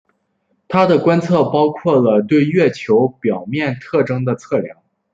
他的观察包括了对月球表面特征的测量。